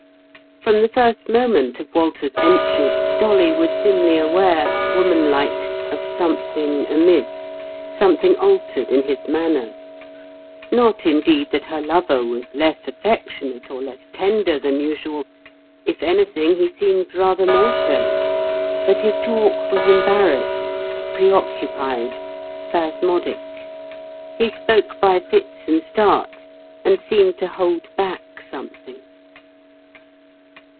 From the first moment of Walter's entry, Dolly was dimly aware, womanlike, of something amiss, something altered in his manner. Not, indeed, that her lover was less affectionate or less tender than usual—if anything he seemed rather more so; but his talk was embarrassed, pre occupied, spasmodic. He spoke by fits and starts, and seemed to hold back something.